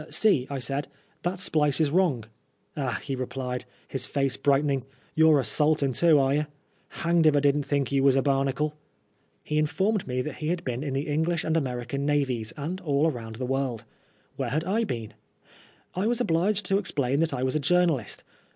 " See," I said, ^'that splice is wrong." '^Ah," he replied, his face brightening, '* you're a salt un too, are ye ? Hanged if I didn't think you was a barnacle." He informed me PBI80N LIFE. 129 that he had been in the Englislt^ and American naviesi and all round the world. Where had I been ? I was obliged to explain that I was a journalist.